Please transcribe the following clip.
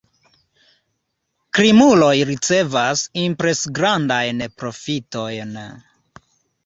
Krimuloj ricevas impresgrandajn profitojn.